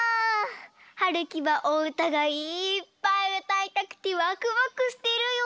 はるきはおうたがいっぱいうたいたくてワクワクしてるよ。